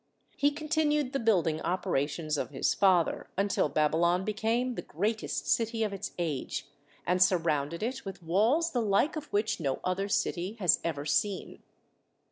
He continued the building operations of his father, until Babylon became the greatest city of its age, and surrounded it with walls the like of which no other city has ever seen.